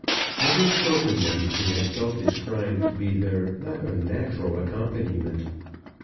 Having spoken them he had felt his crime to be their not unnatural accompaniment.